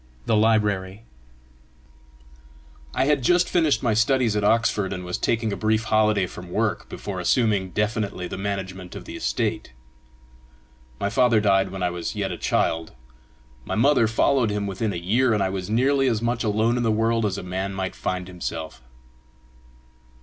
THE LIBRARY I had just finished my studies at Oxford, and was taking a brief holiday from work before assuming definitely the management of the estate. My father died when I was yet a child; my mother followed him within a year; and I was nearly as much alone in the world as a man might find himself.